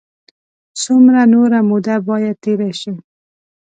څومره نوره موده باید تېره شي.